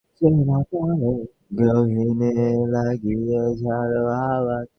আপনি কি একটু নাচবেন?